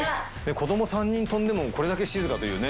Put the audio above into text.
子供３人跳んでもこれだけ静かというね。